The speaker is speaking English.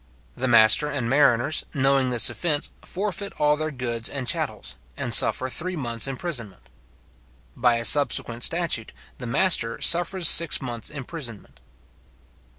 The master and mariners, knowing this offence, forfeit all their goods and chattels, and suffer three months imprisonment. By a subsequent statute, the master suffers six months imprisonment.